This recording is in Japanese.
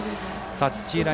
土浦